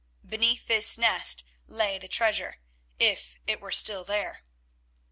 Beneath this nest lay the treasure, if it were still there.